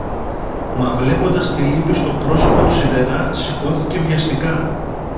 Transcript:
Μα βλέποντας τη λύπη στο πρόσωπο του σιδερά σηκώθηκε βιαστικά